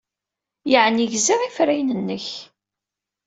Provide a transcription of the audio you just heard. Yeɛni gziɣ ifrayen-nnek.